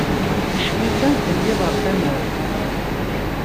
Cwi kan telliḍ ɣer tama-w.